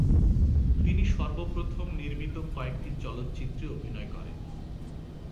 তিনি সর্বপ্রথম নির্মিত কয়েকটি চলচ্চিত্রে অভিনয় করেন।